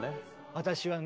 私はね